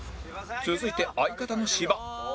続いて相方の芝